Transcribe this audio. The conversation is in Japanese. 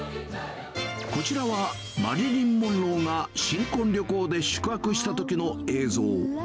こちらはマリリン・モンローが新婚旅行で宿泊したときの映像。